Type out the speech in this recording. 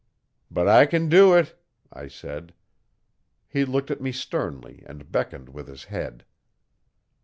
'But I can do it,' I said. He looked at me sternly and beckoned with his head.